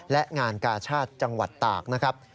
และงานกาชาติจังหวัดตากนะครับ